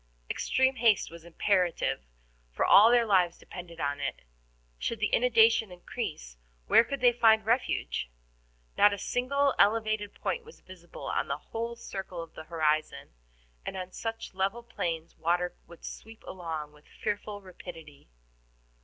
Extreme haste was imperative, for all their lives depended on it. Should the inundation increase, where could they find refuge? Not a single elevated point was visible on the whole circle of the horizon, and on such level plains water would sweep along with fearful rapidity.